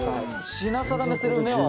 「品定めする目は」